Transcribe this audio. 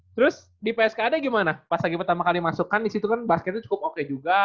terus di pskd gimana pas lagi pertama kali masukkan di situ kan basketnya cukup oke juga